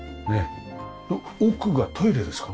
奥がトイレですか？